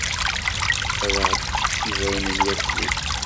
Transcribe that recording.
Ad aɣ-d-tefk ibawen n waklu.